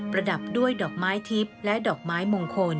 ระดับด้วยดอกไม้ทิพย์และดอกไม้มงคล